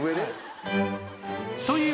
という